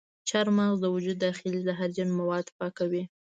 چارمغز د وجود داخلي زهرجن مواد پاکوي.